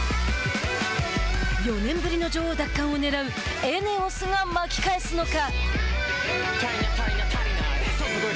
４年ぶりの女王奪還をねらうＥＮＥＯＳが巻き返すのか。